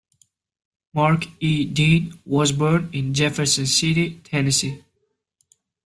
Mark E. Dean was born in Jefferson City, Tennessee.